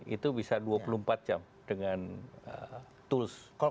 itu bisa dua puluh empat jam dengan tools